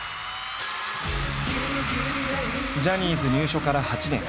ジャニーズ入所から８年。